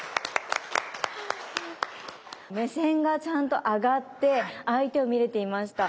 目線がちゃんと上がって相手を見れていました。